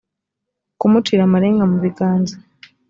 kumucira amarenga mu biganza